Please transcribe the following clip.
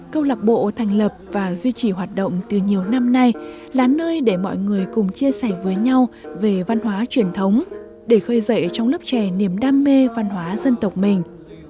câu lạc bộ thành lập và duy trì hoạt động từ nhiều năm nay là nơi để mọi người cùng chia sẻ với nhau về văn hóa truyền thống để khơi dậy trong lớp trẻ niềm đam mê văn hóa dân tộc mình